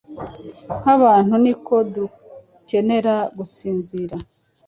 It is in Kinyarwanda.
nk’abantu ni uko dukenera gusinzira.